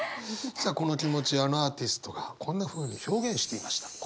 さあこの気持ちあのアーティストがこんなふうに表現していました。